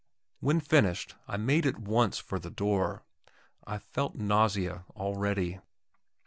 When finished, I made at once for the door. I felt nausea already.